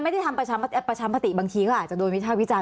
ใช่ไหมคะมันไม่ได้ทำประชาปฏิบางทีก็อาจจะโดนวิชาวิจารณ์